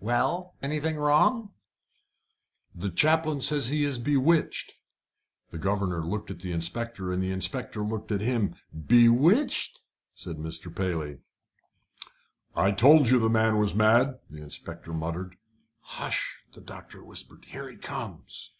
"Well? Anything wrong?" "The chaplain says he is bewitched." The governor looked at the inspector, and the inspector looked at him. "Bewitched?" said Mr. Paley. "I told you the man was mad," the inspector muttered. "Hush!" the doctor whispered. "Here he comes."